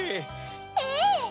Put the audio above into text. ええ。